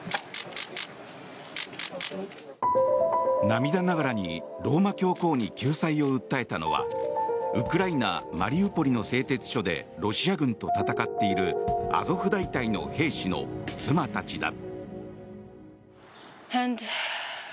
涙ながらにローマ教皇に救済を訴えたのはウクライナ・マリウポリの製鉄所でロシア軍と戦っているアゾフ大隊の兵士の妻たちだ。